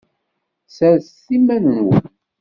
Sserset iman-nwen.